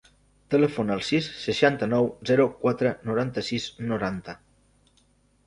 Telefona al sis, seixanta-nou, zero, quatre, noranta-sis, noranta.